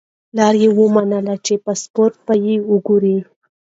پلار یې ومنله چې پاسپورت به وګوري.